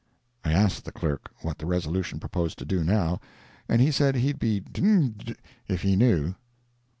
[I asked the Clerk what the resolution proposed to do now? And he said he'd be d—d if he knew.